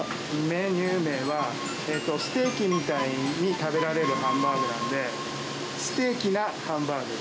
メニュー名は、ステーキみたいに食べられるハンバーグなんで、ステーキなハンバーグ。